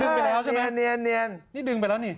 เนียนนี่ดึงไปแล้วนี่